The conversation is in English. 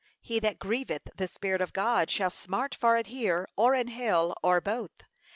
He that grieveth the Spirit of God shall smart for it here, or in hell, or both.